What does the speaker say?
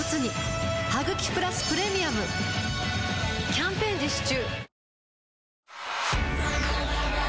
キャンペーン実施中